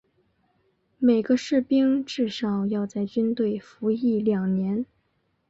每个士兵至少要在军队服役两年。